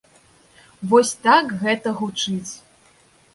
Вось так гэта гучыць.